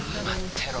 てろ